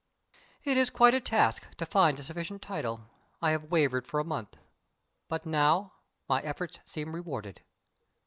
It is quite a task to find a sufficient title. I have wavered for a month. But now my efforts seem rewarded.